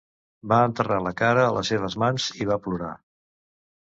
Va enterrar la cara a les seves mans i va plorar.